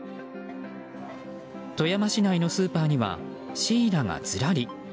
富山市内のスーパーにはシイラがずらり。